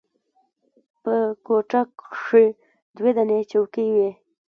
په کوټه کښې دوې دانې چوکۍ وې.